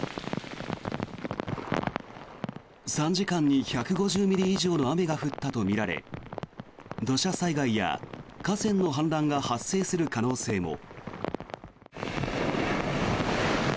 ３時間に１５０ミリ以上の雨が降ったとみられ土砂災害や河川の氾濫が発生する可能性も。